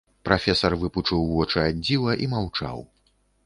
Прафесар выпучыў вочы ад дзіва і маўчаў.